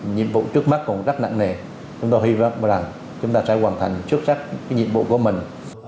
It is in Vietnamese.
nhiệm vụ trước mắt cũng rất nặng nề chúng ta hy vọng rằng chúng ta sẽ hoàn thành xuất sắc nhiệm vụ của mình